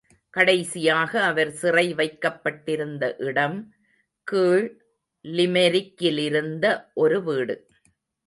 கடைசியாக அவர் சிறை வைக்கப்பட்டிருந்த இடம் கீழ் லிமெரிக்கிலிருந்த ஒரு வீடு.